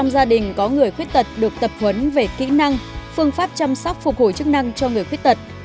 sáu mươi gia đình có người khuyết tật được tập huấn về kỹ năng phương pháp chăm sóc phục hồi chức năng cho người khuyết tật